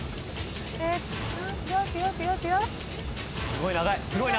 すごい長い！